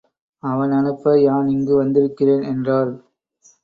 அவன் அனுப்ப யான் இங்கு வந்திருக்கிறேன் என்றாள்.